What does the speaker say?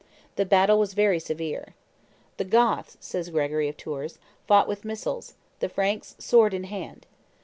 The battle was very severe. "The Goths," says Gregory of Tours, "fought with missiles; the Franks sword in hand.